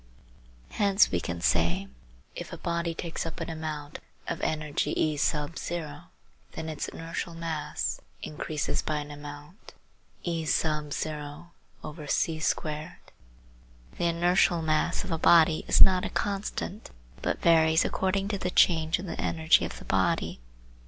Hence we can say: If a body takes up an amount of energy E, then its inertial mass increases by an amount eq. 22: file eq22.gif the inertial mass of a body is not a constant but varies according to the change in the energy of the body.